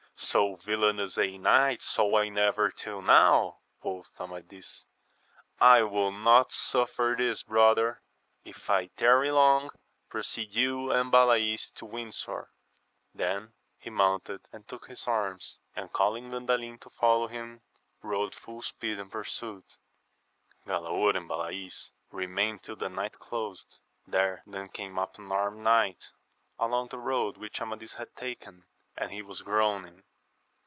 So villainous a knight saw I never till now J quothJAmadis. I will not suffer this brother I if I tarry long, proceed you and Balays to Windsor. Then he mounted and took his arms, and calling Grandalin to follow him, rode fuU speed in pursuit. Galaor and Balays remained till the night closed. There then came up an armed knight along the road which Amadis had taken, and he was groaning.